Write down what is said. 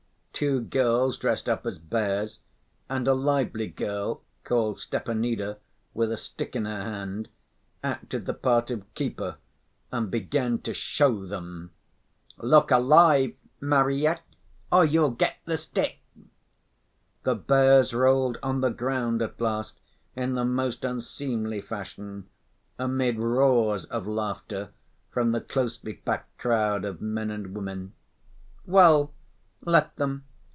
Two girls dressed up as bears, and a lively girl, called Stepanida, with a stick in her hand, acted the part of keeper, and began to "show them." "Look alive, Marya, or you'll get the stick!" The bears rolled on the ground at last in the most unseemly fashion, amid roars of laughter from the closely‐packed crowd of men and women. "Well, let them!